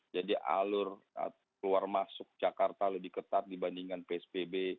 jadi alur keluar masuk jakarta lebih ketat dibandingkan psbb